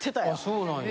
そうなんや。